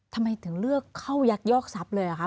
ทำไมถึงเลือกเข้ายักยอกทรัพย์เลยอะคะ